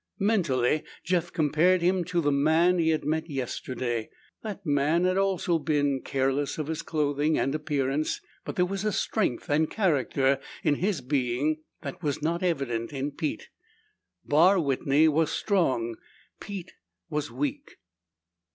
Mentally, Jeff compared him to the man he had met yesterday. That man had also been careless of his clothing and appearance, but there was a strength and character in his being that was not evident in Pete. Barr Whitney was strong. Pete was weak.